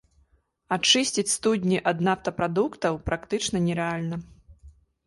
Ачысціць студні ад нафтапрадуктаў практычна нерэальна.